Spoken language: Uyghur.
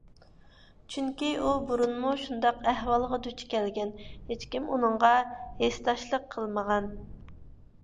چۈنكى ئۇ بۇرۇنمۇ شۇنداق ئەھۋالغا دۇچ كەلگەن، ھېچكىم ئۇنىڭغا ھېسداشلىق قىلمىغان.